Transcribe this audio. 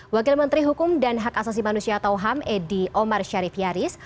wakil menteri hukum dan hak asasi manusia atau ham edi omar syarif yaris